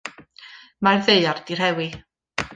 Mae'r ddaear 'di rhewi.